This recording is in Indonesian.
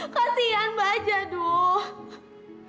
kasian banget aja dong